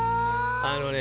あのね